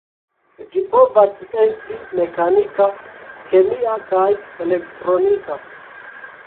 Ĝi povas esti mekanika, kemia kaj elektronika.